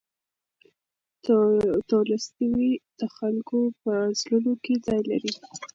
تولستوی د خلکو په زړونو کې ځای لري.